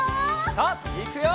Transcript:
さあいくよ！